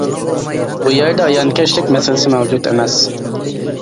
بۇ يەردە ھايانكەشلىك مەسىلىسى مەۋجۇت ئەمەس!